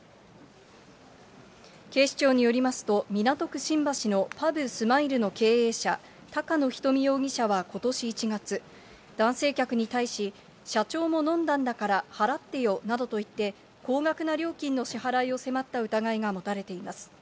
警視庁によりますと、港区新橋のパブｓｍｉｌｅの経営者、高野ひとみ容疑者はことし１月、男性客に対し、社長も飲んだんだから払ってよなどと言って、高額な料金の支払いを迫った疑いが持たれています。